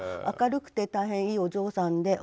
明るくて大変いいお嬢さんで。